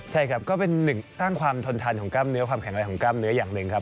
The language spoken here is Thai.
ใช่ครับก็เป็นหนึ่งสร้างความทนทันของกล้ามเนื้อความแข็งแรงของกล้ามเนื้ออย่างหนึ่งครับ